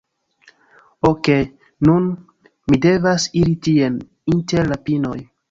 Okej, nun, mi devas iri tien, inter la pinoj.